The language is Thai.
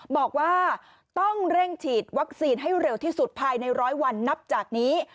บอกว่าต้องเร่งฉีดวัคซีนให้เร็วที่สุดภายในร้อยวันนับจากนี้